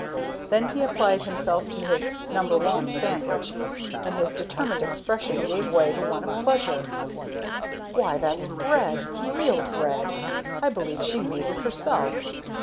Then he applied himself to his "No. 1" sandwich, and his determined expression gave way to one of pleasure. "Why that's bread real bread! I believe she made it herself!"